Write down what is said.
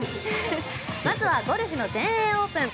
まずはゴルフの全英オープン。